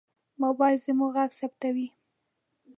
موبایل زموږ غږ ثبتوي.